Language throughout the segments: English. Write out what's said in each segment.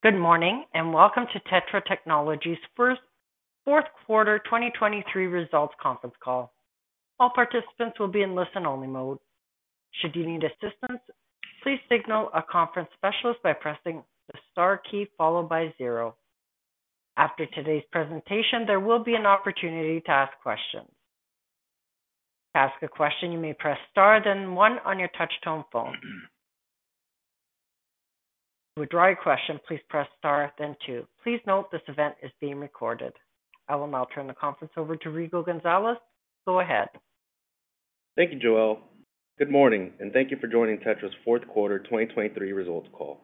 Good morning, and welcome to TETRA Technologies' fourth quarter 2023 results conference call. All participants will be in listen-only mode. Should you need assistance, please signal a conference specialist by pressing the star key followed by zero. After today's presentation, there will be an opportunity to ask questions. To ask a question, you may press star, then one on your touch-tone phone. To withdraw your question, please press star, then two. Please note, this event is being recorded. I will now turn the conference over to Rigo Gonzalez. Go ahead. Thank you, Joelle. Good morning, and thank you for joining TETRA's fourth quarter 2023 results call.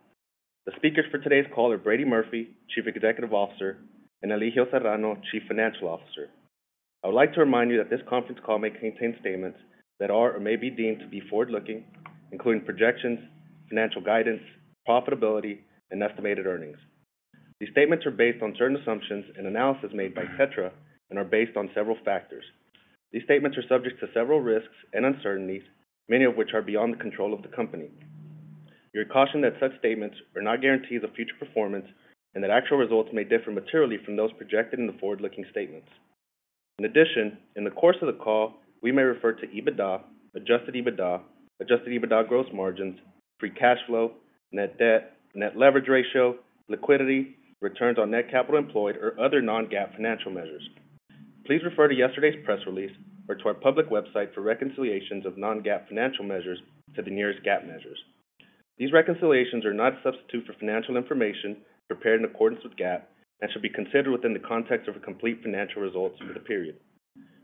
The speakers for today's call are Brady Murphy, Chief Executive Officer, and Elijio Serrano, Chief Financial Officer. I would like to remind you that this conference call may contain statements that are or may be deemed to be forward-looking, including projections, financial guidance, profitability, and estimated earnings. These statements are based on certain assumptions and analysis made by TETRA and are based on several factors. These statements are subject to several risks and uncertainties, many of which are beyond the control of the company. We are cautioned that such statements are not guarantees of future performance and that actual results may differ materially from those projected in the forward-looking statements. In addition, in the course of the call, we may refer to EBITDA, adjusted EBITDA, adjusted EBITDA gross margins, free cash flow, net debt, net leverage ratio, liquidity, returns on net capital employed, or other non-GAAP financial measures. Please refer to yesterday's press release or to our public website for reconciliations of non-GAAP financial measures to the nearest GAAP measures. These reconciliations are not a substitute for financial information prepared in accordance with GAAP and should be considered within the context of a complete financial results for the period.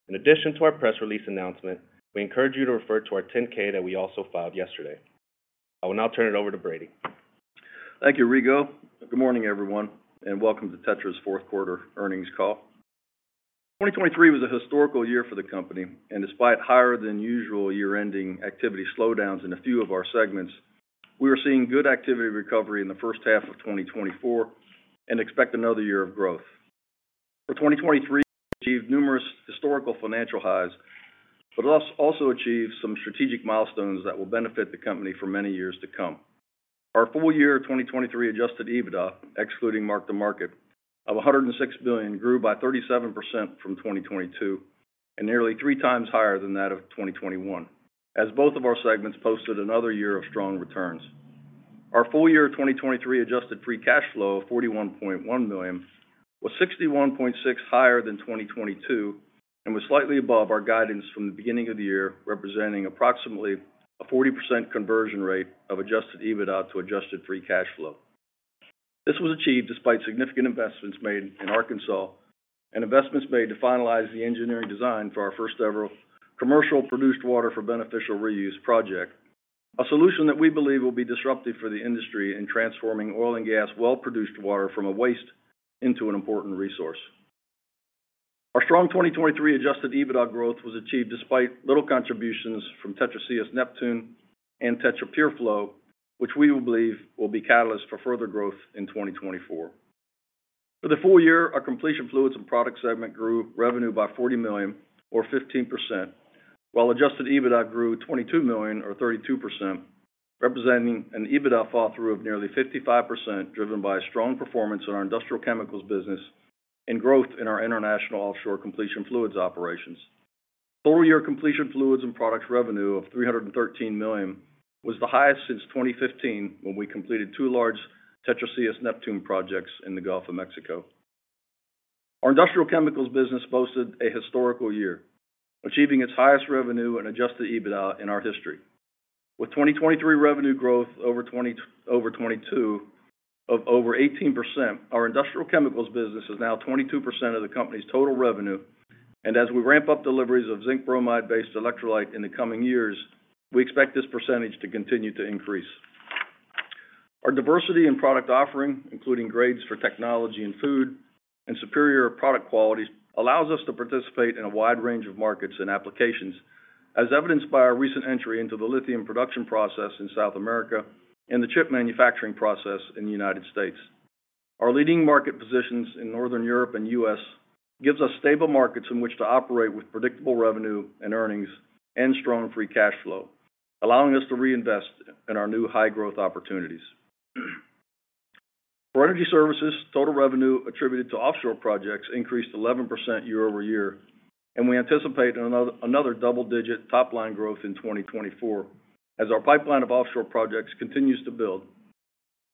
In addition to our press release announcement, we encourage you to refer to our 10-K that we also filed yesterday. I will now turn it over to Brady. Thank you, Rigo. Good morning, everyone, and welcome to Tetra's fourth quarter earnings call. 2023 was a historical year for the company, and despite higher than usual year-ending activity slowdowns in a few of our segments, we are seeing good activity recovery in the first half of 2024 and expect another year of growth. For 2023, we achieved numerous historical financial highs, but also achieved some strategic milestones that will benefit the company for many years to come. Our full year 2023 adjusted EBITDA, excluding mark-to-market, of $106 billion, grew by 37% from 2022 and nearly three times higher than that of 2021, as both of our segments posted another year of strong returns. Our full year 2023 adjusted free cash flow of $41.1 million was 61.6% higher than 2022 and was slightly above our guidance from the beginning of the year, representing approximately a 40% conversion rate of adjusted EBITDA to adjusted free cash flow. This was achieved despite significant investments made in Arkansas and investments made to finalize the engineering design for our first ever commercial produced water for beneficial reuse project, a solution that we believe will be disruptive for the industry in transforming oil and gas well-produced water from a waste into an important resource. Our strong 2023 adjusted EBITDA growth was achieved despite little contributions from TETRA CS Neptune and TETRA PureFlow, which we believe will be a catalyst for further growth in 2024. For the full year, our completion fluids and product segment grew revenue by $40 million or 15%, while adjusted EBITDA grew $22 million or 32%, representing an EBITDA fall through of nearly 55%, driven by a strong performance in our industrial chemicals business and growth in our international offshore completion fluids operations. Full year completion fluids and products revenue of $313 million was the highest since 2015, when we completed 2 large TETRA CS Neptune projects in the Gulf of Mexico. Our industrial chemicals business boasted a historical year, achieving its highest revenue and adjusted EBITDA in our history. With 2023 revenue growth over 2022 of over 18%, our industrial chemicals business is now 22% of the company's total revenue, and as we ramp up deliveries of zinc bromide-based electrolyte in the coming years, we expect this percentage to continue to increase. Our diversity and product offering, including grades for technology and food and superior product qualities, allows us to participate in a wide range of markets and applications, as evidenced by our recent entry into the lithium production process in South America and the chip manufacturing process in the United States. Our leading market positions in Northern Europe and U.S. gives us stable markets in which to operate with predictable revenue and earnings and strong free cash flow, allowing us to reinvest in our new high growth opportunities. For energy services, total revenue attributed to offshore projects increased 11% year-over-year, and we anticipate another double-digit top-line growth in 2024 as our pipeline of offshore projects continues to build.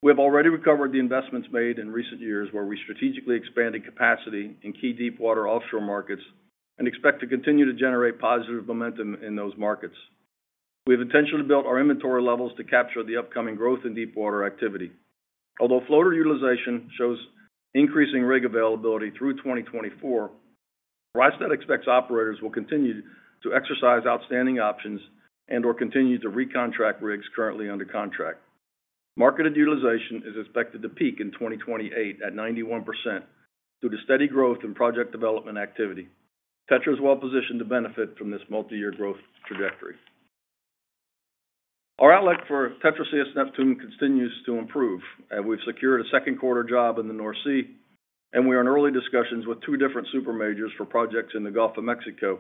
We have already recovered the investments made in recent years, where we strategically expanded capacity in key deepwater offshore markets and expect to continue to generate positive momentum in those markets. We have intentionally built our inventory levels to capture the upcoming growth in deepwater activity. Although floater utilization shows increasing rig availability through 2024, Rystad expects operators will continue to exercise outstanding options and/or continue to recontract rigs currently under contract. Marketed utilization is expected to peak in 2028 at 91% due to steady growth in project development activity. TETRA is well positioned to benefit from this multi-year growth trajectory. Our outlook for TETRA CS Neptune continues to improve, and we've secured a second quarter job in the North Sea, and we are in early discussions with two different super majors for projects in the Gulf of Mexico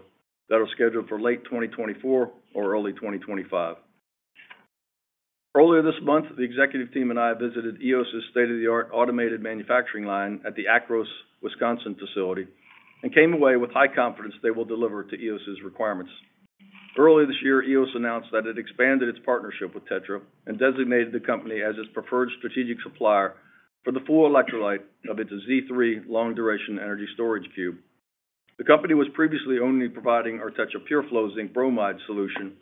that are scheduled for late 2024 or early 2025. Earlier this month, the executive team and I visited Eos' state-of-the-art automated manufacturing line at the ACRO Wisconsin facility, and came away with high confidence they will deliver to Eos' requirements. Earlier this year, Eos announced that it expanded its partnership with TETRA and designated the company as its preferred strategic supplier for the full electrolyte of its Z3 long-duration energy storage cube. The company was previously only providing our TETRA PureFlow zinc bromide solution,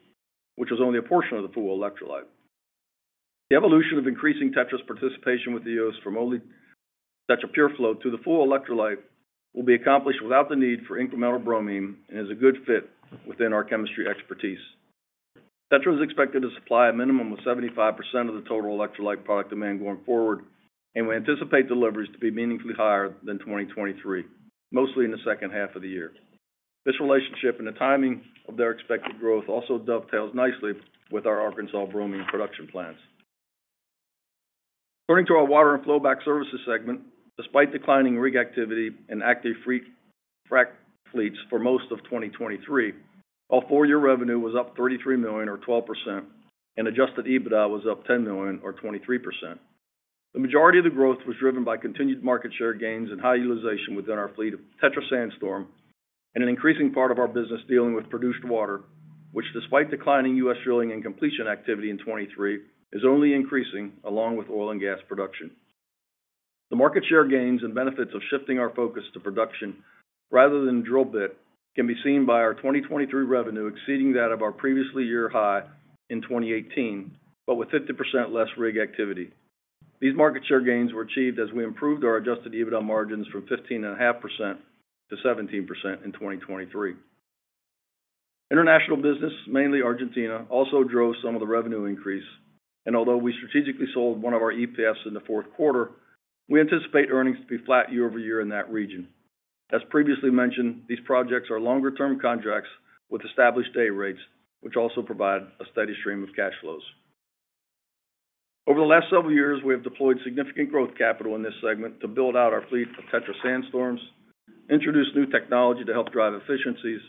which was only a portion of the full electrolyte. The evolution of increasing TETRA's participation with Eos from only TETRA PureFlow to the full electrolyte, will be accomplished without the need for incremental bromine, and is a good fit within our chemistry expertise. TETRA is expected to supply a minimum of 75% of the total electrolyte product demand going forward, and we anticipate deliveries to be meaningfully higher than 2023, mostly in the second half of the year. This relationship and the timing of their expected growth also dovetails nicely with our Arkansas bromine production plans. Turning to our water and flowback services segment, despite declining rig activity and active free frac fleets for most of 2023, our full-year revenue was up $33 million or 12%, and adjusted EBITDA was up $10 million or 23%. The majority of the growth was driven by continued market share gains and high utilization within our fleet of TETRA SandStorm, and an increasing part of our business dealing with produced water, which, despite declining U.S. drilling and completion activity in 2023, is only increasing, along with oil and gas production. The market share gains and benefits of shifting our focus to production rather than drill bit, can be seen by our 2023 revenue exceeding that of our previous year high in 2018, but with 50% less rig activity. These market share gains were achieved as we improved our adjusted EBITDA margins from 15.5% to 17% in 2023. International business, mainly Argentina, also drove some of the revenue increase. Although we strategically sold 1 of our EPFs in the fourth quarter, we anticipate earnings to be flat year-over-year in that region. As previously mentioned, these projects are longer-term contracts with established day rates, which also provide a steady stream of cash flows. Over the last several years, we have deployed significant growth capital in this segment to build out our fleet of TETRA Sandstorms, introduce new technology to help drive efficiencies,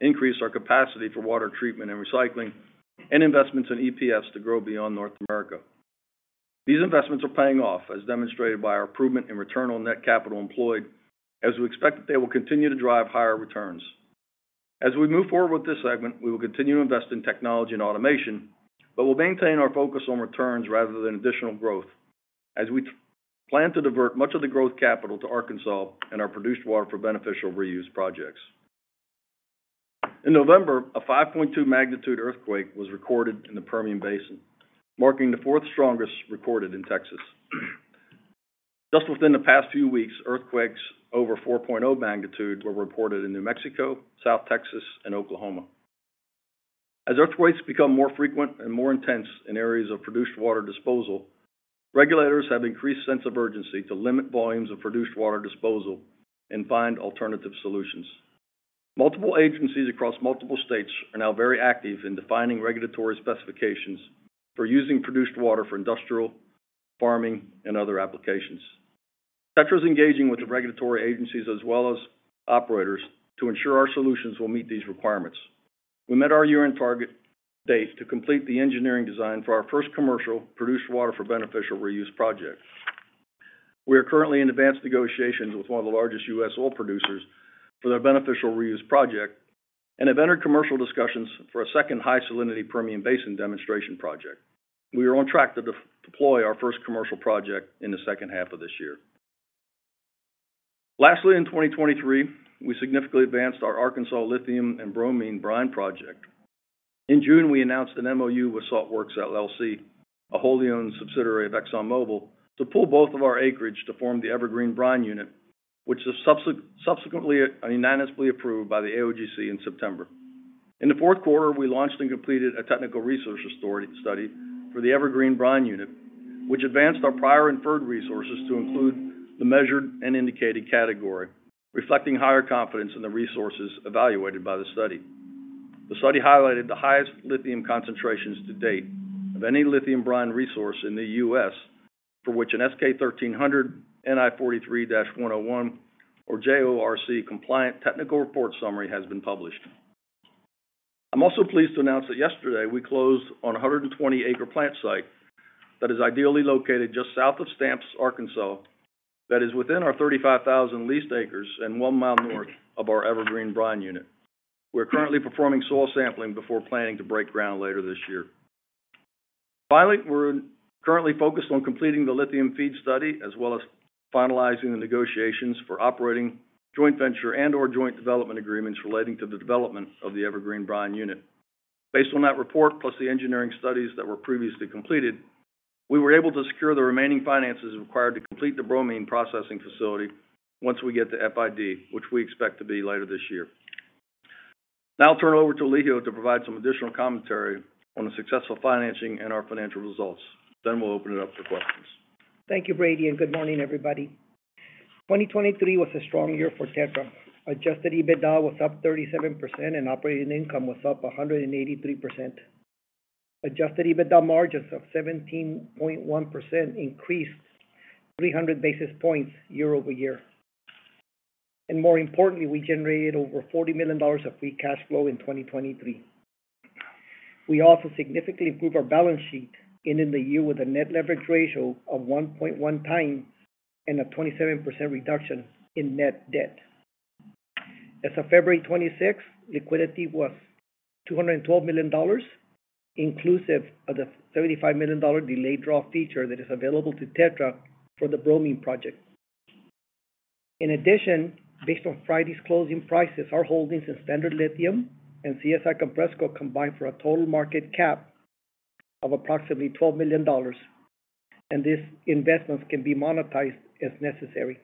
increase our capacity for water treatment and recycling, and investments in EPFs to grow beyond North America. These investments are paying off, as demonstrated by our improvement in return on net capital employed, as we expect that they will continue to drive higher returns. As we move forward with this segment, we will continue to invest in technology and automation, but we'll maintain our focus on returns rather than additional growth, as we plan to divert much of the growth capital to Arkansas and our produced water for beneficial reuse projects. In November, a 5.2 magnitude earthquake was recorded in the Permian Basin, marking the fourth strongest recorded in Texas. Just within the past few weeks, earthquakes over 4.0 magnitude were reported in New Mexico, South Texas, and Oklahoma. As earthquakes become more frequent and more intense in areas of produced water disposal, regulators have increased sense of urgency to limit volumes of produced water disposal and find alternative solutions. Multiple agencies across multiple states are now very active in defining regulatory specifications for using produced water for industrial, farming, and other applications. TETRA is engaging with the regulatory agencies as well as operators to ensure our solutions will meet these requirements. We met our year-end target date to complete the engineering design for our first commercial produced water for beneficial reuse project. We are currently in advanced negotiations with one of the largest U.S. oil producers for their beneficial reuse project, and have entered commercial discussions for a second high salinity Permian Basin demonstration project. We are on track to deploy our first commercial project in the second half of this year. Lastly, in 2023, we significantly advanced our Arkansas lithium and bromine brine project. In June, we announced an MOU with Saltwerx LLC, a wholly owned subsidiary of ExxonMobil, to pool both of our acreage to form the Evergreen Brine Unit, which is subsequently and unanimously approved by the AOGC in September. In the fourth quarter, we launched and completed a technical resource recovery study for the Evergreen Brine Unit, which advanced our prior inferred resources to include the measured and indicated category, reflecting higher confidence in the resources evaluated by the study. The study highlighted the highest lithium concentrations to date of any lithium brine resource in the U.S., for which an S-K 1300, NI 43-101 or JORC compliant technical report summary has been published. I'm also pleased to announce that yesterday, we closed on a 120-acre plant site that is ideally located just south of Stamps, Arkansas, that is within our 35,000 leased acres and 1 mile north of our Evergreen Brine Unit. We're currently performing soil sampling before planning to break ground later this year. Finally, we're currently focused on completing the lithium FEED study, as well as finalizing the negotiations for operating joint venture and/or joint development agreements relating to the development of the Evergreen Brine Unit. Based on that report, plus the engineering studies that were previously completed, we were able to secure the remaining finances required to complete the bromine processing facility once we get to FID, which we expect to be later this year. Now I'll turn it over to Elijio to provide some additional commentary on the successful financing and our financial results. Then we'll open it up to questions. Thank you, Brady, and good morning, everybody. 2023 was a strong year for TETRA. Adjusted EBITDA was up 37% and operating income was up 183%. Adjusted EBITDA margins of 17.1% increased 300 basis points year-over-year. And more importantly, we generated over $40 million of free cash flow in 2023. We also significantly improved our balance sheet, ending the year with a net leverage ratio of 1.1x and a 27% reduction in net debt. As of February 26, liquidity was $212 million, inclusive of the $75 million delayed draw feature that is available to TETRA for the bromine project. In addition, based on Friday's closing prices, our holdings in Standard Lithium and CSI Compressco combine for a total market cap of approximately $12 million, and these investments can be monetized as necessary.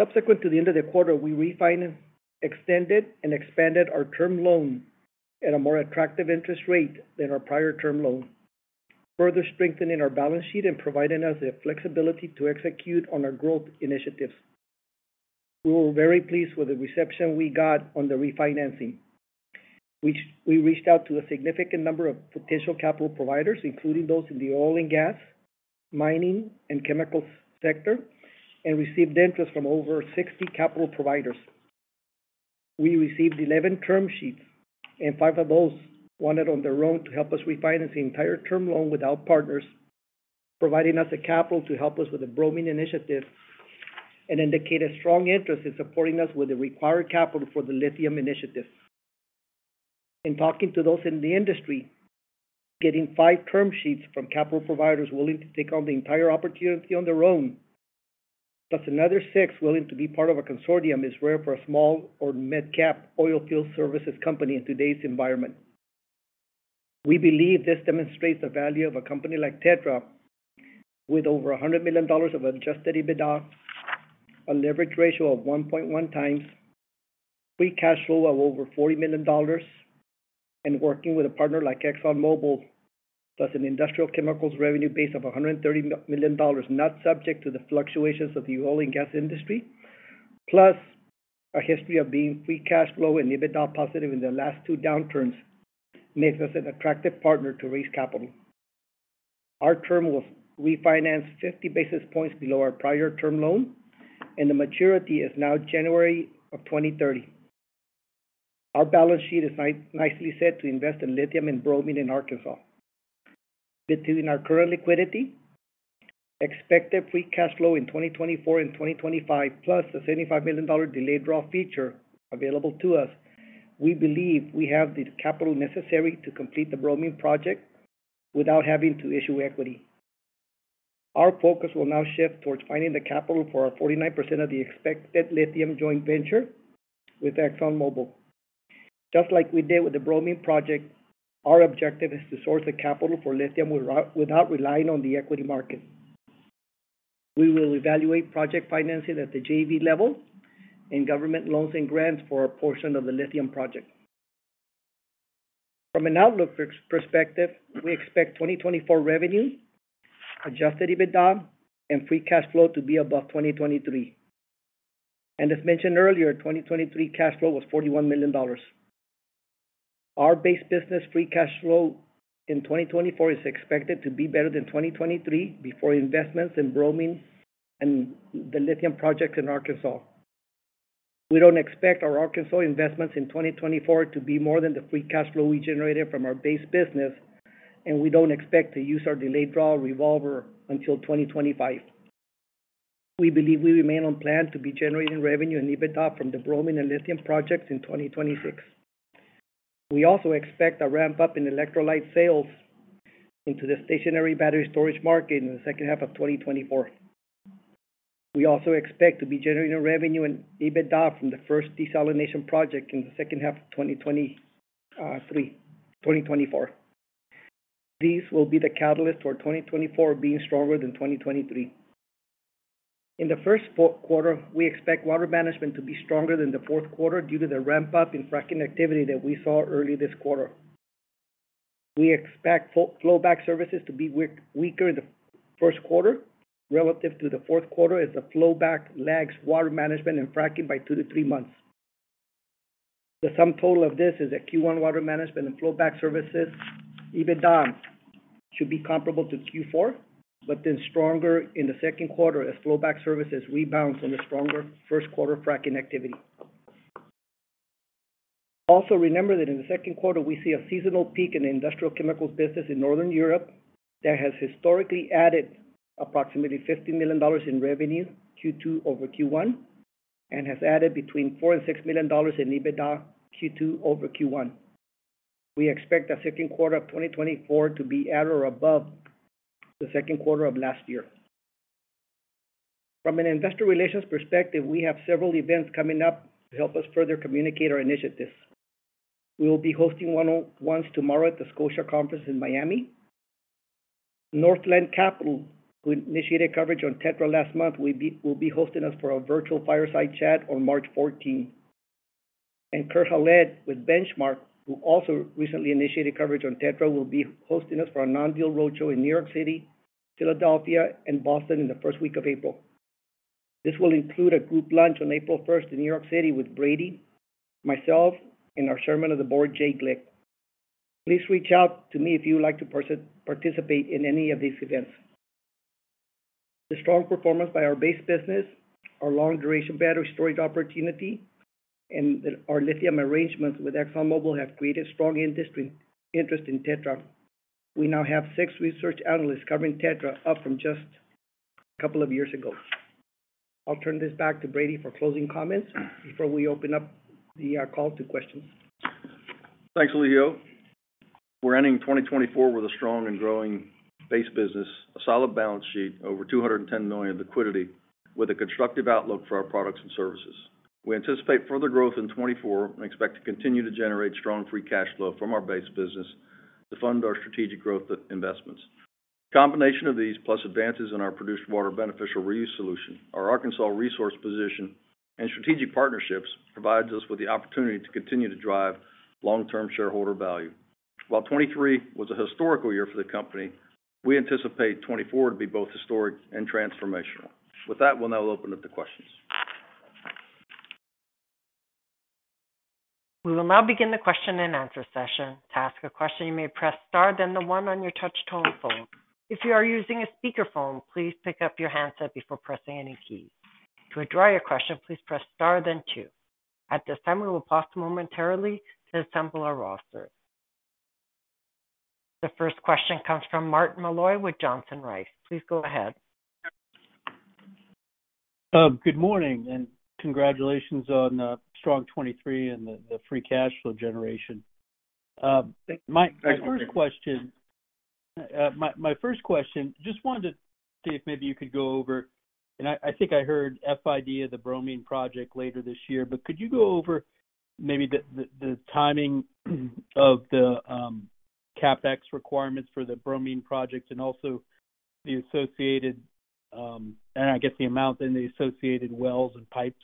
Subsequent to the end of the quarter, we refinance, extended, and expanded our term loan at a more attractive interest rate than our prior term loan, further strengthening our balance sheet and providing us the flexibility to execute on our growth initiatives. We were very pleased with the reception we got on the refinancing. We reached out to a significant number of potential capital providers, including those in the oil and gas, mining, and chemical sector, and received interest from over 60 capital providers. We received 11 term sheets, and 5 of those wanted on their own to help us refinance the entire term loan with our partners, providing us the capital to help us with the bromine initiative and indicate a strong interest in supporting us with the required capital for the lithium initiative. In talking to those in the industry, getting 5 term sheets from capital providers willing to take on the entire opportunity on their own, plus another 6 willing to be part of a consortium, is rare for a small or mid-cap oil field services company in today's environment. We believe this demonstrates the value of a company like TETRA, with over $100 million of adjusted EBITDA, a leverage ratio of 1.1x, free cash flow of over $40 million, and working with a partner like ExxonMobil, plus an industrial chemicals revenue base of $130 million, not subject to the fluctuations of the oil and gas industry. Plus, a history of being free cash flow and EBITDA positive in the last two downturns, makes us an attractive partner to raise capital. Our term was refinanced 50 basis points below our prior term loan, and the maturity is now January of 2030. Our balance sheet is nicely set to invest in lithium and bromine in Arkansas. Between our current liquidity, expected free cash flow in 2024 and 2025, plus the $75 million delayed draw feature available to us, we believe we have the capital necessary to complete the bromine project without having to issue equity. Our focus will now shift towards finding the capital for our 49% of the expected lithium joint venture with ExxonMobil. Just like we did with the bromine project, our objective is to source the capital for lithium without relying on the equity market. We will evaluate project financing at the JV level and government loans and grants for a portion of the lithium project. From an outlook perspective, we expect 2024 revenue, adjusted EBITDA, and free cash flow to be above 2023. As mentioned earlier, 2023 cash flow was $41 million. Our base business free cash flow in 2024 is expected to be better than 2023, before investments in bromine and the lithium projects in Arkansas. We don't expect our Arkansas investments in 2024 to be more than the free cash flow we generated from our base business, and we don't expect to use our delayed draw revolver until 2025. We believe we remain on plan to be generating revenue and EBITDA from the bromine and lithium projects in 2026. We also expect a ramp-up in electrolyte sales into the stationary battery storage market in the second half of 2024. We also expect to be generating revenue and EBITDA from the first desalination project in the second half of 2024. These will be the catalyst for 2024 being stronger than 2023. In the first quarter, we expect water management to be stronger than the fourth quarter due to the ramp-up in fracking activity that we saw early this quarter. We expect flowback services to be weaker in the first quarter, relative to the fourth quarter, as the flowback lags water management and fracking by 2-3 months. The sum total of this is that Q1 water management and flowback services, EBITDA, should be comparable to Q4, but then stronger in the second quarter as flowback services rebounds from a stronger first quarter fracking activity. Also, remember that in the second quarter, we see a seasonal peak in the industrial chemicals business in Northern Europe, that has historically added approximately $50 million in revenue, Q2 over Q1, and has added between $4 million-$6 million in EBITDA, Q2 over Q1. We expect the second quarter of 2024 to be at or above the second quarter of last year. From an investor relations perspective, we have several events coming up to help us further communicate our initiatives. We will be hosting one-on-ones tomorrow at the Scotia Conference in Miami. Northland Capital, who initiated coverage on TETRA last month, will be hosting us for a virtual fireside chat on March 14th. Kurt Hallead with Benchmark, who also recently initiated coverage on TETRA, will be hosting us for a non-deal roadshow in New York City, Philadelphia, and Boston in the first week of April. This will include a group lunch on April first in New York City with Brady, myself, and our chairman of the board, Jay Glick. Please reach out to me if you would like to participate in any of these events. The strong performance by our base business, our long duration battery storage opportunity, and our lithium arrangements with ExxonMobil have created strong industry interest in TETRA. We now have six research analysts covering TETRA, up from just a couple of years ago. I'll turn this back to Brady for closing comments before we open up the call to questions. Thanks, Elijio. We're ending 2024 with a strong and growing base business, a solid balance sheet, over $210 million liquidity, with a constructive outlook for our products and services. We anticipate further growth in 2024 and expect to continue to generate strong free cash flow from our base business to fund our strategic growth investments. Combination of these, plus advances in our produced water beneficial reuse solution, our Arkansas resource position, and strategic partnerships, provides us with the opportunity to continue to drive long-term shareholder value. While 2023 was a historical year for the company, we anticipate 2024 to be both historic and transformational. With that, we'll now open up the questions. We will now begin the question and answer session. To ask a question, you may press star, then the one on your touch-tone phone. If you are using a speakerphone, please pick up your handset before pressing any keys. To withdraw your question, please press star then two. At this time, we will pause momentarily to assemble our roster. The first question comes from Martin Malloy with Johnson Rice. Please go ahead. Good morning, and congratulations on the strong 2023 and the free cash flow generation. Thank you. My first question, just wanted to see if maybe you could go over... I think I heard FID, the bromine project later this year, but could you go over maybe the timing of the CapEx requirements for the bromine project and also the associated, and I guess, the amount in the associated wells and pipes?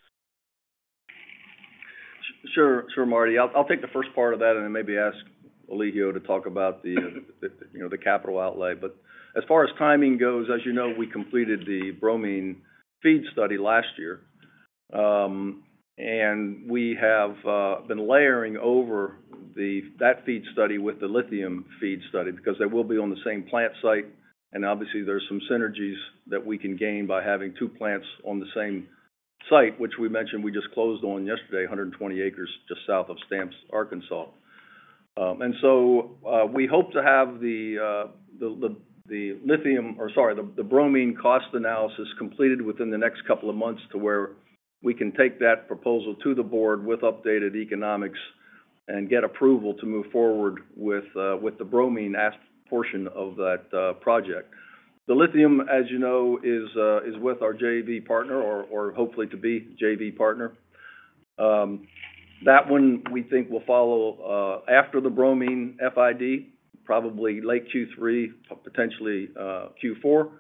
Sure, sure, Marty. I'll, I'll take the first part of that and then maybe ask Elijio to talk about the, you know, the capital outlay. But as far as timing goes, as you know, we completed the bromine FEED study last year. And we have been layering over that FEED study with the lithium FEED study because they will be on the same plant site, and obviously there are some synergies that we can gain by having two plants on the same site, which we mentioned we just closed on yesterday, 120 acres just south of Stamps, Arkansas. And so we hope to have the lithium, or sorry, the bromine cost analysis completed within the next couple of months to where we can take that proposal to the board with updated economics and get approval to move forward with the bromine phase portion of that project. The lithium, as you know, is with our JV partner or hopefully to-be JV partner. That one, we think, will follow after the bromine FID, probably late Q3, potentially Q4.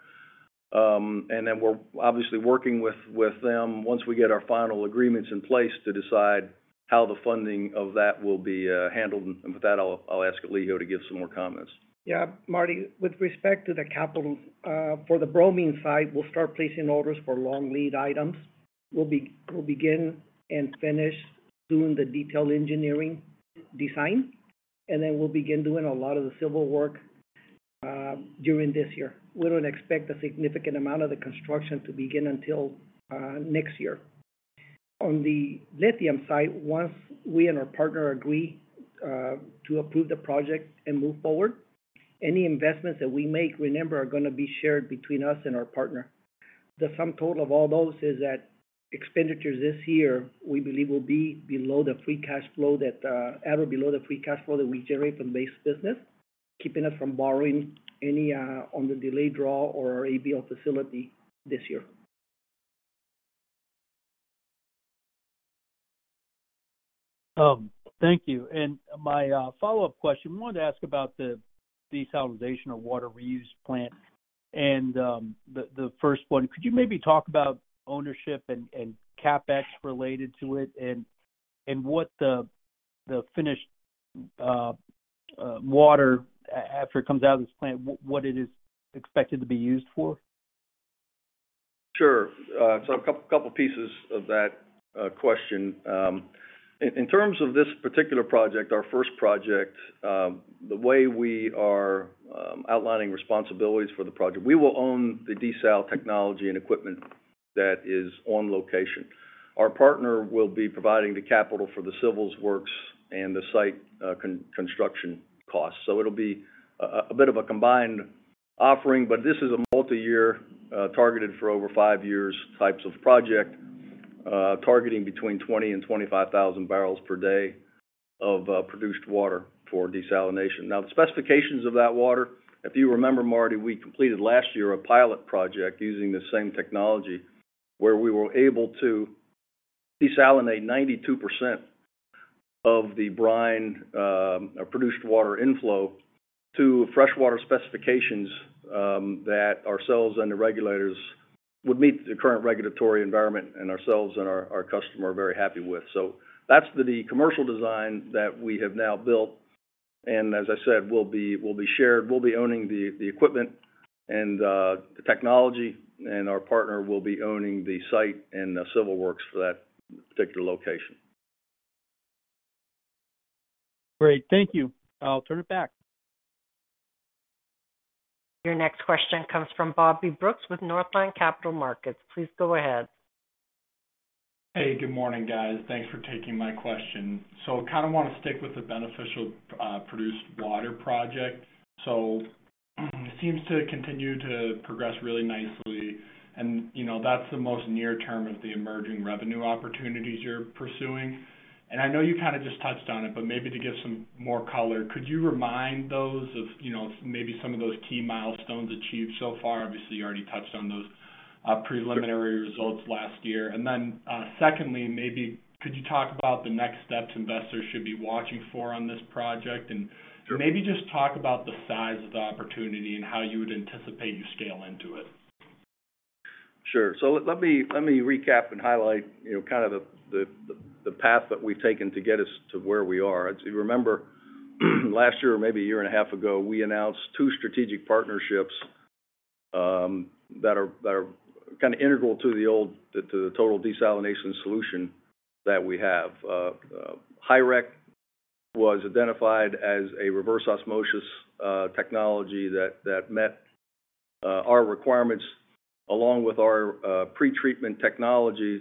And then we're obviously working with them once we get our final agreements in place to decide how the funding of that will be handled. And with that, I'll ask Elijio to give some more comments. Yeah, Marty, with respect to the capital for the bromine side, we'll start placing orders for long lead items. We'll begin and finish doing the detailed engineering design, and then we'll begin doing a lot of the civil work during this year. We don't expect a significant amount of the construction to begin until next year. On the lithium side, once we and our partner agree to approve the project and move forward, any investments that we make, remember, are gonna be shared between us and our partner. The sum total of all those is that expenditures this year, we believe, will be below the free cash flow that we generate from base business, keeping us from borrowing any on the delayed draw or ABL facility this year. Thank you. And my follow-up question, I wanted to ask about the desalination or water reuse plant. And the first one, could you maybe talk about ownership and CapEx related to it and what the finished water after it comes out of this plant, what it is expected to be used for? Sure. So a couple pieces of that question. In terms of this particular project, our first project, the way we are outlining responsibilities for the project, we will own the desal technology and equipment that is on location. Our partner will be providing the capital for the civil works and the site construction costs. So it'll be a bit of a combined offering, but this is a multi-year, targeted for over 5 years, types of project, targeting between 20,000 and 25,000 barrels per day of produced water for desalination. Now, the specifications of that water, if you remember, Marty, we completed last year a pilot project using the same technology, where we were able to desalinate 92% of the brine, or produced water inflow to freshwater specifications, that ourselves and the regulators would meet the current regulatory environment, and ourselves and our customer are very happy with. So that's the commercial design that we have now built. And as I said, we'll be owning the equipment and the technology, and our partner will be owning the site and the civil works for that particular location. Great. Thank you. I'll turn it back. Your next question comes from Bobby Brooks with Northland Capital Markets. Please go ahead. Hey, good morning, guys. Thanks for taking my question. So kind of want to stick with the beneficial produced water project. So it seems to continue to progress really nicely, and, you know, that's the most near term of the emerging revenue opportunities you're pursuing. And I know you kind of just touched on it, but maybe to give some more color, could you remind those of, you know, maybe some of those key milestones achieved so far? Obviously, you already touched on those preliminary results last year. And then, secondly, maybe could you talk about the next steps investors should be watching for on this project? Sure. Maybe just talk about the size of the opportunity and how you would anticipate you scale into it. Sure. So let me recap and highlight, you know, kind of the path that we've taken to get us to where we are. As you remember, last year, or maybe a year and a half ago, we announced two strategic partnerships that are kind of integral to the total desalination solution that we have. Hyrec was identified as a reverse osmosis technology that met our requirements, along with our pretreatment technologies,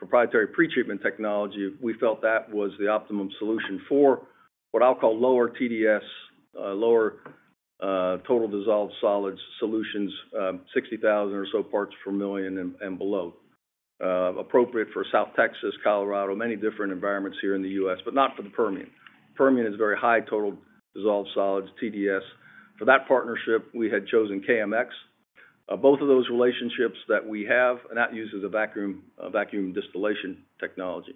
proprietary pretreatment technology. We felt that was the optimum solution for what I'll call lower TDS, lower total dissolved solids solutions, 60,000 or so parts per million and below. Appropriate for South Texas, Colorado, many different environments here in the U.S., but not for the Permian. Permian is very high total dissolved solids, TDS. For that partnership, we had chosen KMX. Both of those relationships that we have, and that uses a vacuum distillation technology.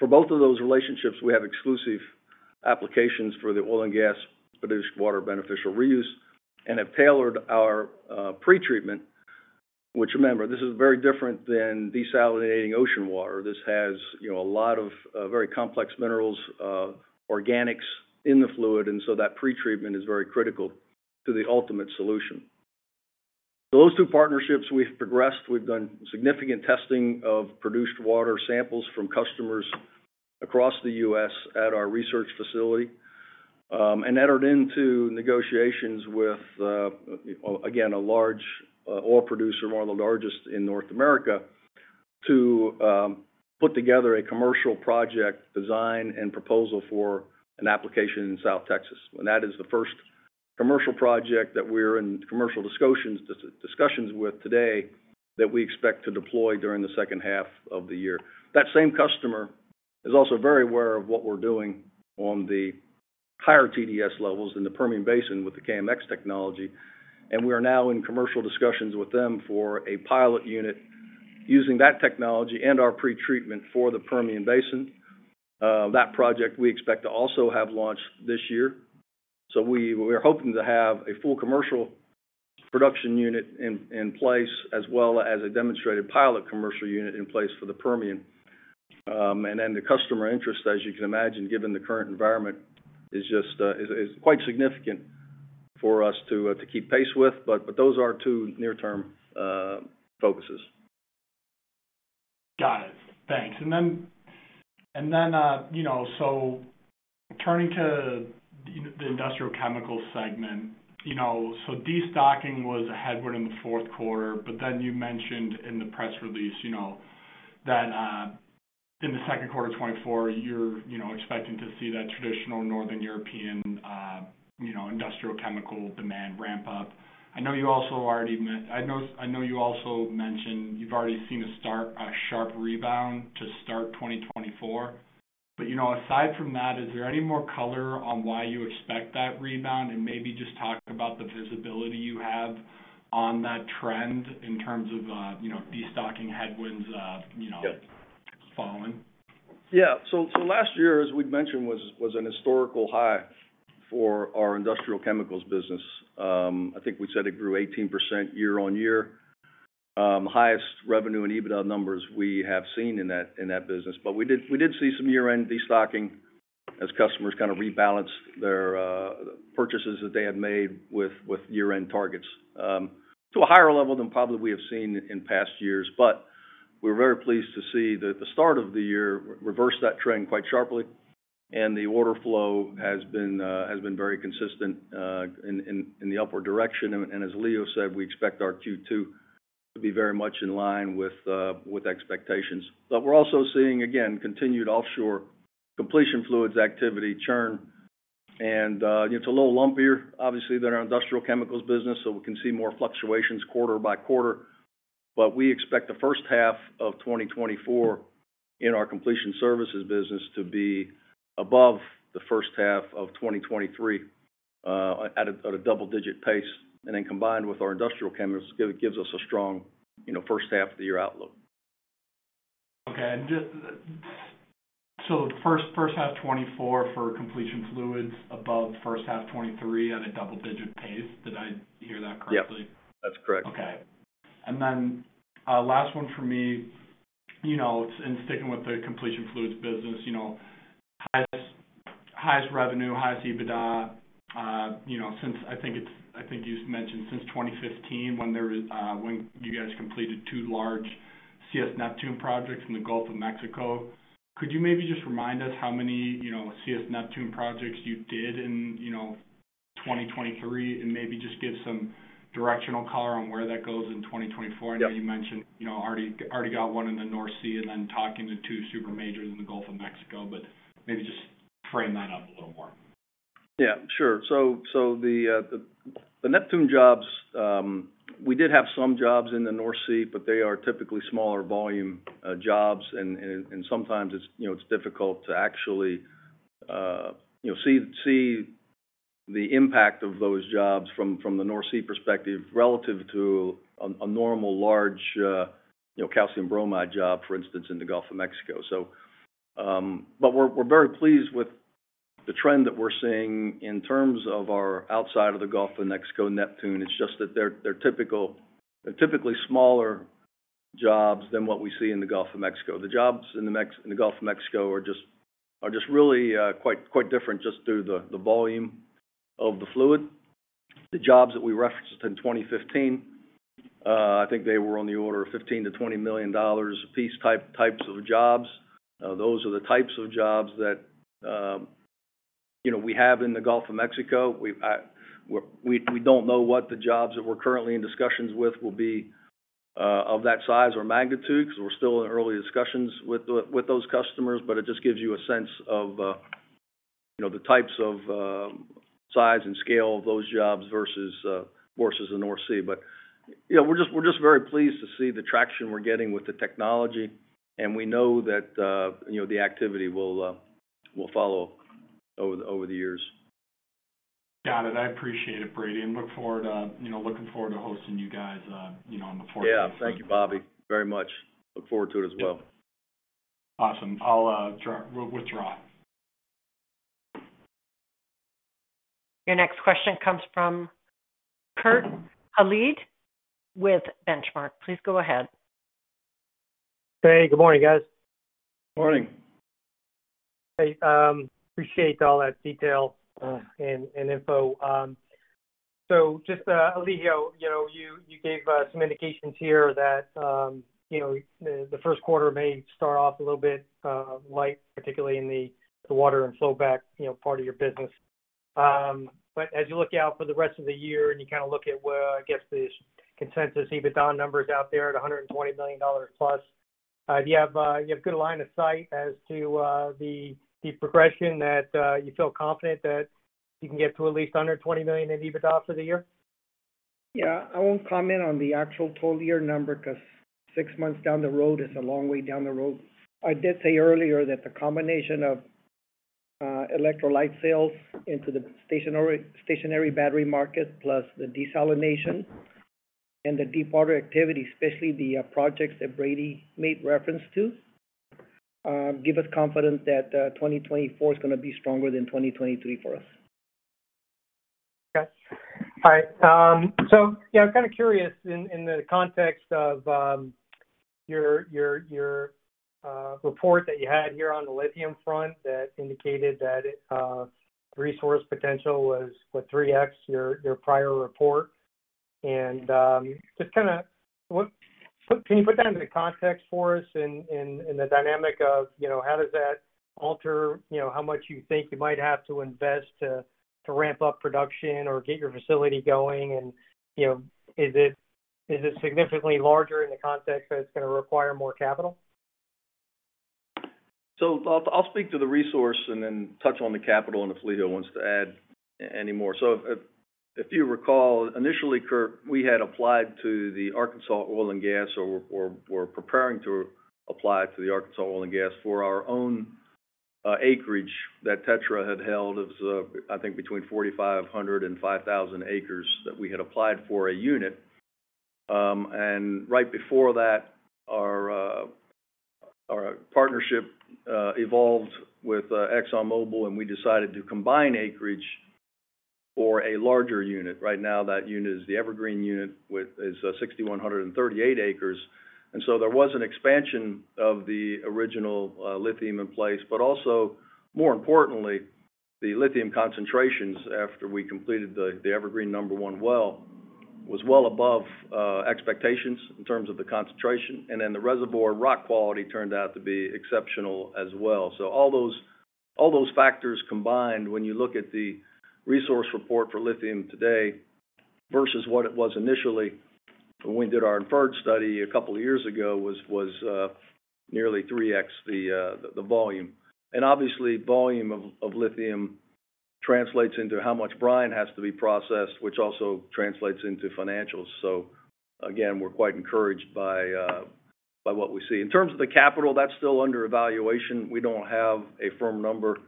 For both of those relationships, we have exclusive applications for the oil and gas-produced water beneficial reuse and have tailored our pretreatment, which, remember, this is very different than desalinating ocean water. This has, you know, a lot of very complex minerals, organics in the fluid, and so that pretreatment is very critical to the ultimate solution. Those two partnerships, we've progressed. We've done significant testing of produced water samples from customers across the U.S. at our research facility, and entered into negotiations with, again, a large oil producer, one of the largest in North America, to put together a commercial project design and proposal for an application in South Texas. That is the first commercial project that we're in commercial discussions with today that we expect to deploy during the second half of the year. That same customer is also very aware of what we're doing on the higher TDS levels in the Permian Basin with the KMX technology, and we are now in commercial discussions with them for a pilot unit using that technology and our pretreatment for the Permian Basin. That project we expect to also have launched this year. So we are hoping to have a full commercial production unit in place, as well as a demonstrated pilot commercial unit in place for the Permian. And then the customer interest, as you can imagine, given the current environment, is just quite significant for us to keep pace with. But those are two near-term focuses. Got it. Thanks. And then, you know, so turning to the industrial chemicals segment. You know, so destocking was a headwind in the fourth quarter, but then you mentioned in the press release, you know, that in the second quarter of 2024, you're, you know, expecting to see that traditional northern European, you know, industrial chemical demand ramp up. I know you also already, I know, I know you also mentioned you've already seen a start, a sharp rebound to start 2024. But, you know, aside from that, is there any more color on why you expect that rebound? And maybe just talk about the visibility you have on that trend in terms of, you know, destocking headwinds, you know- Yeah... falling. Yeah. So last year, as we'd mentioned, was an historical high for our industrial chemicals business. I think we said it grew 18% year-on-year. Highest revenue and EBITDA numbers we have seen in that business. But we did see some year-end destocking as customers kind of rebalanced their purchases that they had made with year-end targets to a higher level than probably we have seen in past years. But we're very pleased to see that the start of the year reversed that trend quite sharply, and the order flow has been very consistent in the upward direction. And as Elijio said, we expect our Q2 to be very much in line with expectations. But we're also seeing, again, continued offshore completion fluids activity churn. It's a little lumpier, obviously, than our industrial chemicals business, so we can see more fluctuations quarter by quarter. But we expect the first half of 2024 in our completion services business to be above the first half of 2023 at a double-digit pace. And then, combined with our industrial chemicals, gives us a strong, you know, first half of the year outlook. Okay. So first half 2024 for completion fluids above first half 2023 at a double-digit pace. Did I hear that correctly? Yeah, that's correct. Okay. And then, last one for me, you know, and sticking with the completion fluids business, you know, highest, highest revenue, highest EBITDA, you know, since I think it's—I think you've mentioned since 2015 when there was, when you guys completed 2 large CS Neptune projects in the Gulf of Mexico. Could you maybe just remind us how many, you know, CS Neptune projects you did in, you know, 2023, and maybe just give some directional color on where that goes in 2024? I know you mentioned, you know, already, already got one in the North Sea and then talking to 2 super majors in the Gulf of Mexico, but maybe just frame that up a little more. Yeah, sure. So, the Neptune jobs, we did have some jobs in the North Sea, but they are typically smaller volume jobs. And sometimes it's, you know, it's difficult to actually, you know, see the impact of those jobs from the North Sea perspective relative to a normal large, you know, calcium bromide job, for instance, in the Gulf of Mexico. So, but we're very pleased with the trend that we're seeing in terms of our outside of the Gulf of Mexico, Neptune. It's just that they're typically smaller jobs than what we see in the Gulf of Mexico. The jobs in the Gulf of Mexico are just really quite different, just due to the volume of the fluid. The jobs that we referenced in 2015, I think they were on the order of $15 million-$20 million apiece types of jobs. Those are the types of jobs that, you know, we have in the Gulf of Mexico. We've, we don't know what the jobs that we're currently in discussions with will be, of that size or magnitude, because we're still in early discussions with the, with those customers, but it just gives you a sense of, you know, the types of, size and scale of those jobs versus, versus the North Sea. But, you know, we're just, we're just very pleased to see the traction we're getting with the technology, and we know that, you know, the activity will, will follow over, over the years. Got it. I appreciate it, Brady, and look forward to, you know, looking forward to hosting you guys, you know, on the fourth- Yeah. Thank you, Bobby, very much. Look forward to it as well. Awesome. I'll withdraw. Your next question comes from Kurt Hallead with Benchmark. Please go ahead. Hey, good morning, guys. Morning. Hey, appreciate all that detail, and info. So just, Elijio, you know, you gave some indications here that, you know, the first quarter may start off a little bit light, particularly in the water and flowback, you know, part of your business. But as you look out for the rest of the year, and you kinda look at where, I guess, the consensus EBITDA numbers out there at $120 million plus, do you have, you have good line of sight as to the progression that you feel confident that you can get to at least $120 million in EBITDA for the year? Yeah. I won't comment on the actual total year number, because six months down the road is a long way down the road. I did say earlier that the combination of, electrolyte sales into the stationary, stationary battery market, plus the desalination and the deepwater activity, especially the, projects that Brady made reference to, give us confidence that, 2024 is gonna be stronger than 2023 for us. Okay. All right. So, yeah, I'm kind of curious in, in the context of, your, your, your, report that you had here on the lithium front that indicated that, resource potential was, what? 3x your, your prior report. And, just kinda so can you put that into context for us in, in, in the dynamic of, you know, how does that alter, you know, how much you think you might have to invest to, to ramp up production or get your facility going? And, you know, is it, is it significantly larger in the context that it's gonna require more capital? So I'll speak to the resource and then touch on the capital, and if Elijio wants to add any more. So if you recall, initially, Kurt, we had applied to the Arkansas Oil and Gas, preparing to apply to the Arkansas Oil and Gas for our own acreage that TETRA had held. It was, I think, between 4,500 and 5,000 acres that we had applied for a unit. And right before that, our partnership evolved with ExxonMobil, and we decided to combine acreage for a larger unit. Right now, that unit is the Evergreen unit, with is 6,138 acres. There was an expansion of the original lithium in place, but also, more importantly, the lithium concentrations after we completed the Evergreen number 1 well, was well above expectations in terms of the concentration, and then the reservoir rock quality turned out to be exceptional as well. So all those factors combined, when you look at the resource report for lithium today versus what it was initially when we did our inferred study a couple of years ago, was nearly 3x the volume. And obviously, volume of lithium translates into how much brine has to be processed, which also translates into financials. So again, we're quite encouraged by what we see. In terms of the capital, that's still under evaluation. We don't have a firm number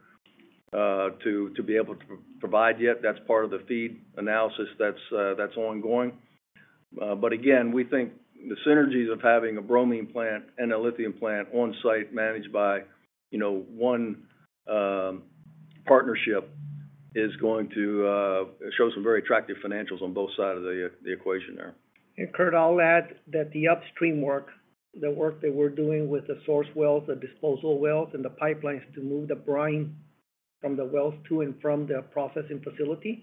to be able to provide yet. That's part of the FEED analysis that's ongoing. But again, we think the synergies of having a bromine plant and a lithium plant on site managed by, you know, one partnership is going to show some very attractive financials on both sides of the equation there. And, Kurt, I'll add that the upstream work, the work that we're doing with the source wells, the disposal wells, and the pipelines to move the brine from the wells to and from the processing facility,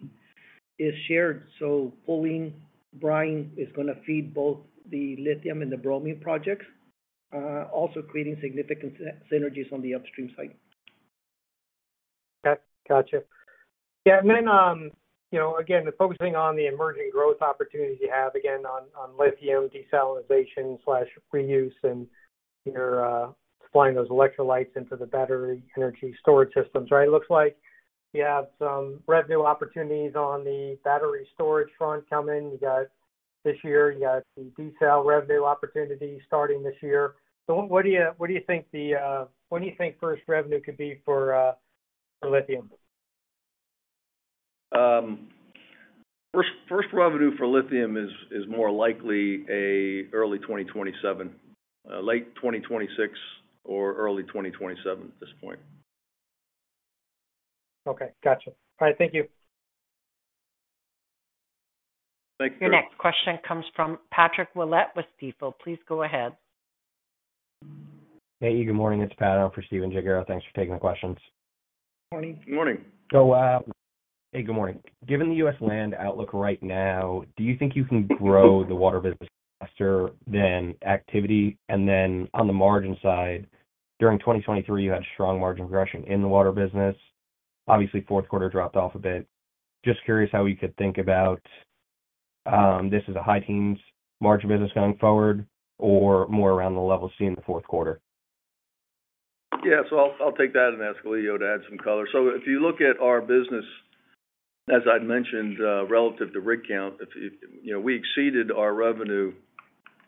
is shared. So pulling brine is going to feed both the lithium and the bromine projects, also creating significant synergies on the upstream side. Okay. Gotcha. Yeah, and then, you know, again, focusing on the emerging growth opportunities you have, again, on, on lithium desalination/reuse, and you're supplying those electrolytes into the battery energy storage systems, right? It looks like you have some revenue opportunities on the battery storage front coming. You got this year, you got the desal revenue opportunity starting this year. So what do you, what do you think the, when do you think first revenue could be for, for lithium? First revenue for lithium is more likely an early 2027, late 2026 or early 2027 at this point. Okay. Gotcha. All right, thank you. Thanks, Kurt. Your next question comes from Patrick Ouellette with Stifel. Please go ahead. Hey, good morning, it's Pat on for Stephen Gengaro. Thanks for taking the questions. Morning. Morning. So, hey, good morning. Given the U.S. land outlook right now, do you think you can grow the water business faster than activity? And then on the margin side, during 2023, you had strong margin progression in the water business. Obviously, fourth quarter dropped off a bit. Just curious how we could think about this as a high teens margin business going forward or more around the level seen in the fourth quarter? Yeah, so I'll take that and ask Elijio to add some color. So if you look at our business, as I'd mentioned, relative to rig count, you know, we exceeded our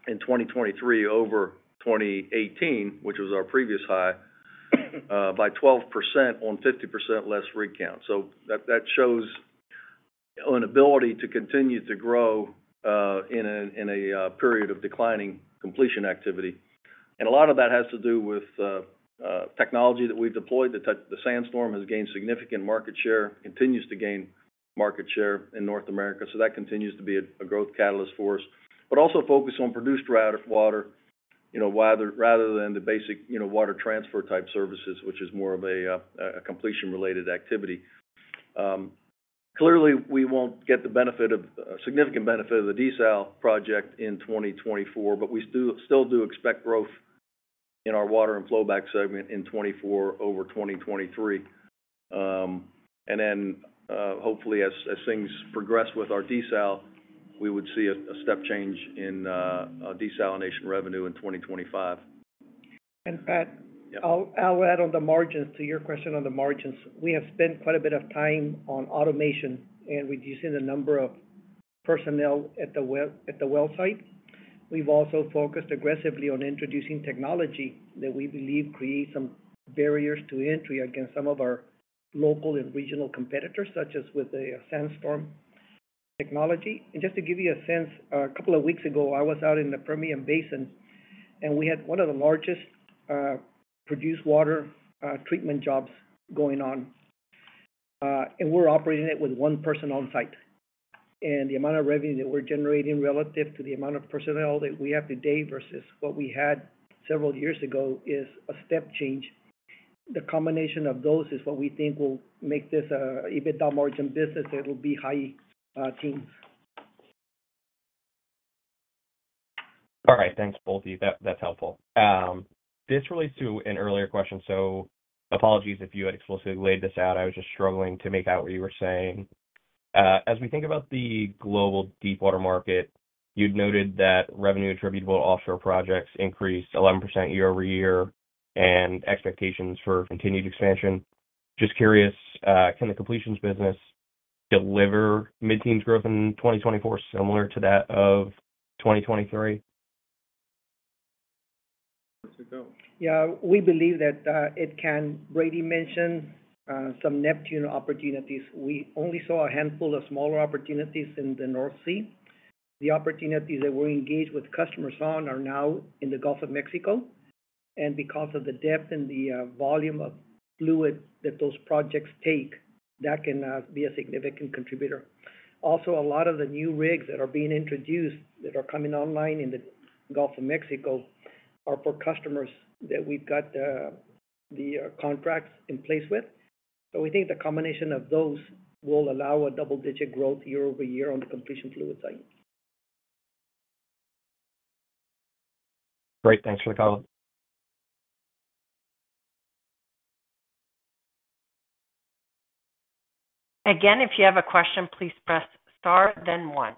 revenue in 2023 over 2018, which was our previous high, by 12% on 50% less rig count. So that shows an ability to continue to grow in a period of declining completion activity. And a lot of that has to do with technology that we deployed. The SandStorm has gained significant market share, continues to gain market share in North America, so that continues to be a growth catalyst for us. But also focus on produced water, you know, rather than the basic, you know, water transfer-type services, which is more of a completion-related activity. Clearly, we won't get the benefit of significant benefit of the desal project in 2024, but we still, still do expect growth in our water and flowback segment in 2024 over 2023. And then, hopefully, as, as things progress with our desal, we would see a, a step change in our desalination revenue in 2025. And Pat- Yeah. I'll add on the margins to your question on the margins. We have spent quite a bit of time on automation and reducing the number of personnel at the well, at the well site. We've also focused aggressively on introducing technology that we believe creates some barriers to entry against some of our local and regional competitors, such as with the SandStorm technology. And just to give you a sense, a couple of weeks ago, I was out in the Permian Basin, and we had one of the largest, produced water, treatment jobs going on, and we're operating it with one person on site. And the amount of revenue that we're generating relative to the amount of personnel that we have today versus what we had several years ago, is a step change. The combination of those is what we think will make this a EBITDA margin business that will be high teens. All right. Thanks, both of you. That, that's helpful. This relates to an earlier question, so apologies if you had explicitly laid this out. I was just struggling to make out what you were saying. As we think about the global deepwater market, you'd noted that revenue attributable offshore projects increased 11% year-over-year, and expectations for continued expansion. Just curious, can the completions business deliver mid-teens growth in 2024, similar to that of 2023? To go. Yeah, we believe that, it can. Brady mentioned some Neptune opportunities. We only saw a handful of smaller opportunities in the North Sea. The opportunities that we're engaged with customers on are now in the Gulf of Mexico, and because of the depth and the volume of fluid that those projects take, that can be a significant contributor. Also, a lot of the new rigs that are being introduced, that are coming online in the Gulf of Mexico, are for customers that we've got the contracts in place with. So we think the combination of those will allow a double-digit growth year-over-year on the completion fluid side. Great. Thanks for the comment. Again, if you have a question, please press star, then one.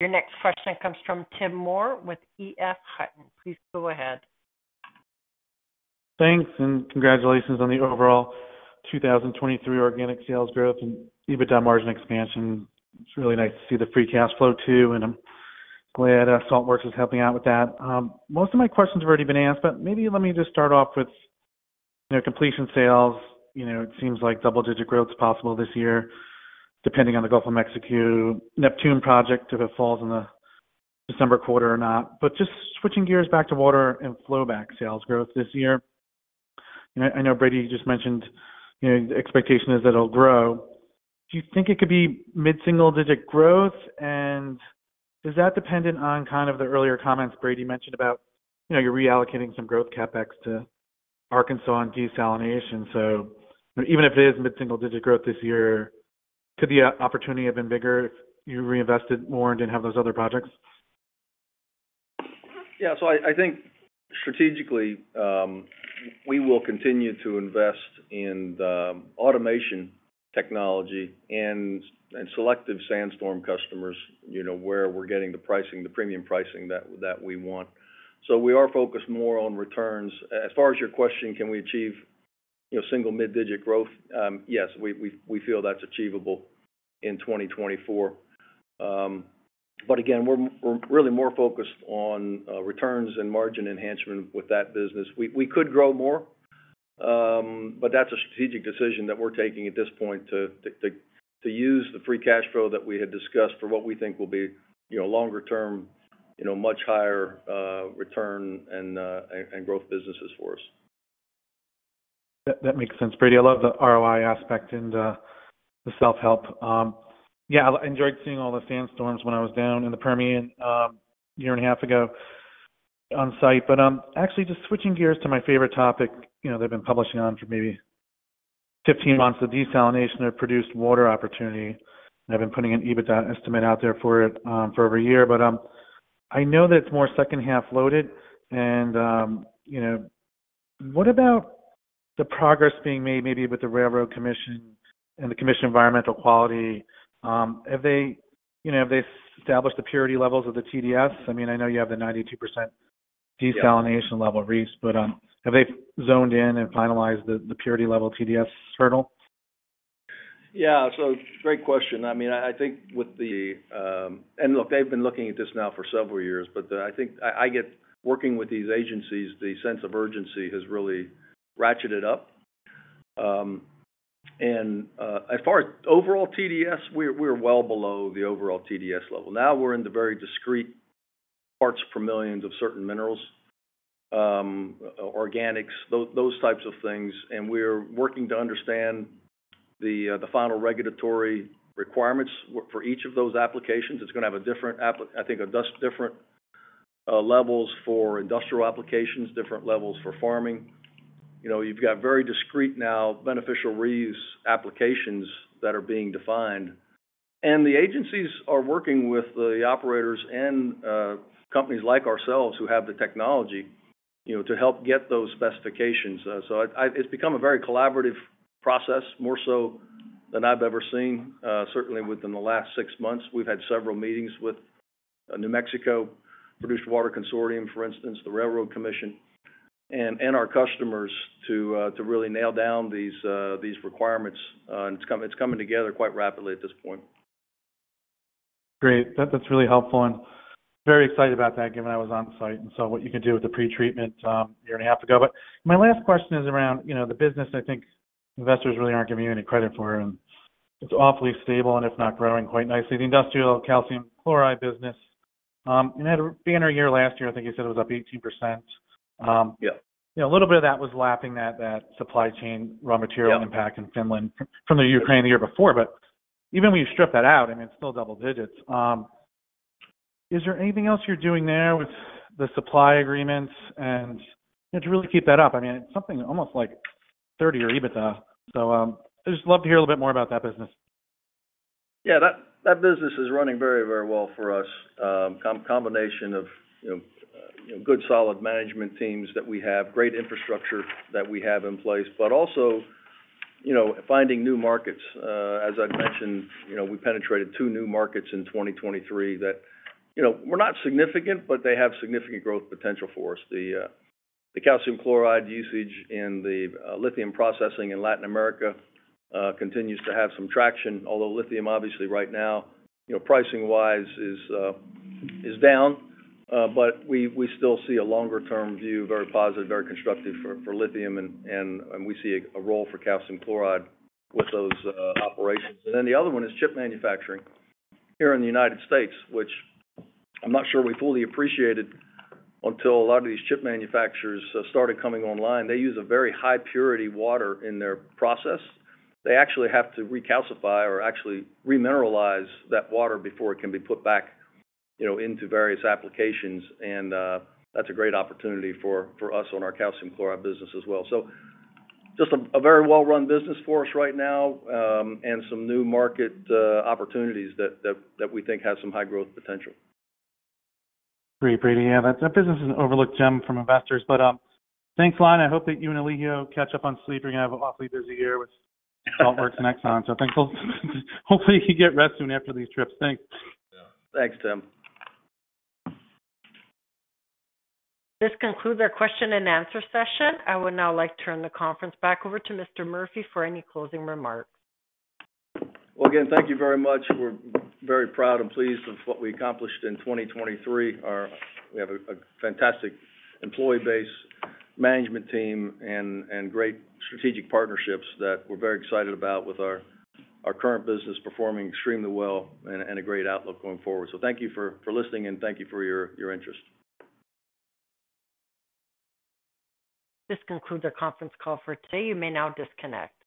Your next question comes from Tim Moore with EF Hutton. Please go ahead. Thanks, and congratulations on the overall 2023 organic sales growth and EBITDA margin expansion. It's really nice to see the free cash flow, too, and I'm glad Saltwerx is helping out with that. Most of my questions have already been asked, but maybe let me just start off with, you know, completion sales. You know, it seems like double-digit growth is possible this year, depending on the Gulf of Mexico, Neptune project, if it falls in the-... December quarter or not. But just switching gears back to water and flowback sales growth this year. I, I know Brady, you just mentioned, you know, the expectation is that it'll grow. Do you think it could be mid-single-digit growth? And is that dependent on kind of the earlier comments Brady mentioned about, you know, you're reallocating some growth CapEx to Arkansas and desalination. Even if it is mid-single-digit growth this year, could the opportunity have been bigger if you reinvested more and didn't have those other projects? Yeah. So I think strategically, we will continue to invest in the automation technology and selective SandStorm customers, you know, where we're getting the pricing, the premium pricing that we want. So we are focused more on returns. As far as your question, can we achieve, you know, single mid-digit growth? Yes, we feel that's achievable in 2024. But again, we're really more focused on returns and margin enhancement with that business. We could grow more, but that's a strategic decision that we're taking at this point to use the free cash flow that we had discussed for what we think will be, you know, longer term, you know, much higher return and growth businesses for us. That makes sense, Brady. I love the ROI aspect and the self-help. Yeah, I enjoyed seeing all the SandStorms when I was down in the Permian a year and a half ago on site. But actually, just switching gears to my favorite topic, you know, they've been publishing on for maybe 15 months, the desalination or produced water opportunity. I've been putting an EBITDA estimate out there for it for over a year. But I know that it's more second-half loaded, and you know, what about the progress being made maybe with the Railroad Commission of Texas and the Texas Commission on Environmental Quality? Have they, you know, have they established the purity levels of the TDS? I mean, I know you have the 92% desalination- Yeah -level risk, but have they zeroed in and finalized the purity level TDS hurdle? Yeah. So great question. I mean, I think with the. And look, they've been looking at this now for several years, but I think I get working with these agencies, the sense of urgency has really ratcheted up. And as far as overall TDS, we're well below the overall TDS level. Now we're in the very discrete parts per million of certain minerals, organics, those types of things, and we're working to understand the final regulatory requirements for each of those applications. It's gonna have a different application. I think, different levels for industrial applications, different levels for farming. You know, you've got very discrete now, beneficial reuse applications that are being defined. And the agencies are working with the operators and companies like ourselves, who have the technology, you know, to help get those specifications. So it's become a very collaborative process, more so than I've ever seen, certainly within the last six months. We've had several meetings with New Mexico Produced Water Consortium, for instance, the Railroad Commission, and our customers to really nail down these requirements. And it's coming together quite rapidly at this point. Great. That's, that's really helpful, and very excited about that, given I was on site, and so what you can do with the pretreatment, a year and a half ago. But my last question is around, you know, the business I think investors really aren't giving you any credit for, and it's awfully stable, and if not, growing quite nicely. The industrial calcium chloride business, and at the end of the year last year, I think you said it was up 18%. Um, yeah. You know, a little bit of that was lapping that, that supply chain, raw material- Yeah -impact in Finland from the Ukraine the year before. But even when you strip that out, I mean, it's still double digits. Is there anything else you're doing there with the supply agreements? And, you know, to really keep that up, I mean, it's something almost like 30-year EBITDA. So, I just love to hear a little bit more about that business. Yeah, that business is running very, very well for us. Combination of, you know, you know, good, solid management teams that we have, great infrastructure that we have in place, but also, you know, finding new markets. As I've mentioned, you know, we penetrated two new markets in 2023 that, you know, were not significant, but they have significant growth potential for us. The calcium chloride usage in the lithium processing in Latin America continues to have some traction, although lithium, obviously, right now, you know, pricing-wise is down. But we still see a longer-term view, very positive, very constructive for lithium, and we see a role for calcium chloride with those operations. Then the other one is chip manufacturing here in the United States, which I'm not sure we fully appreciated until a lot of these chip manufacturers started coming online. They use a very high purity water in their process. They actually have to recalcify or actually remineralize that water before it can be put back, you know, into various applications, and that's a great opportunity for us on our calcium chloride business as well. Just a very well-run business for us right now, and some new market opportunities that we think have some high growth potential. Great, Brady. Yeah, that business is an overlooked gem from investors. But, thanks a lot. I hope that you and Elijio catch up on sleep. You're gonna have an awfully busy year with Saltwerx and Exxon. So thankful. Hopefully, you get rest soon after these trips. Thanks. Yeah. Thanks, Tim. This concludes our question and answer session. I would now like to turn the conference back over to Mr. Murphy for any closing remarks. Well, again, thank you very much. We're very proud and pleased with what we accomplished in 2023. We have a fantastic employee base, management team, and great strategic partnerships that we're very excited about with our current business performing extremely well and a great outlook going forward. So thank you for listening, and thank you for your interest. This concludes our conference call for today. You may now disconnect.